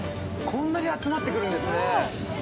こんだけ集まってくるんですね。